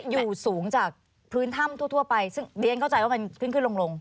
อยู่สูงจากพื้นถ้ำทั่วไปซึ่งเรียนเข้าใจว่ามันขึ้นขึ้นลง